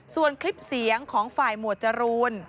ส่วนคลิปเสียงของฝ่ายหมวดจรูน